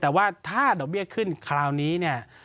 แต่ว่าถ้าดอกเบี้ยขึ้นคราวนี้เนี่ย